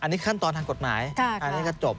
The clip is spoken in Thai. อันนี้ขั้นตอนทางกฎหมายอันนี้ก็จบ